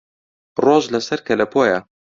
ڕۆژ لە سەر کەلەپۆیە